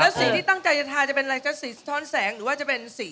สีที่ตั้งใจจะทาจะเป็นอะไรก็สีสะท้อนแสงหรือว่าจะเป็นสี